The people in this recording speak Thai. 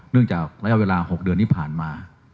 จากระยะเวลา๖เดือนที่ผ่านมา